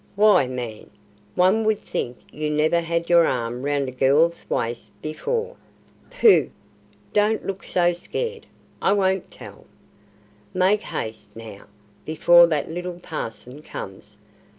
Why, man, one would think you never had your arm round a girl's waist before! Pooh! don't look so scared I won't tell. Make haste, now, before that little parson comes.